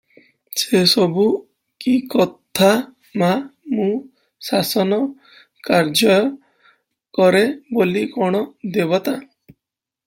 ସେ ସବୁ କିକଥା ମା, ମୁଁ ଶାସନ କାର୍ଯ୍ୟ କରେ ବୋଲି କଣ ଦେବତା!